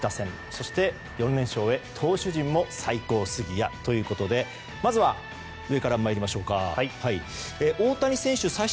そして、４連勝へ投手陣も最高すぎや！ということでまずは上から大谷選手